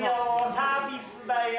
サービスだよ。